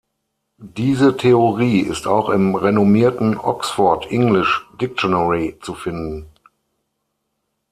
Diese Theorie ist auch im renommierten Oxford English Dictionary zu finden.